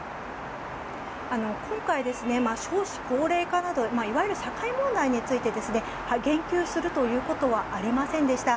今回、少子高齢化などいわゆる社会問題について言及するということはありませんでした。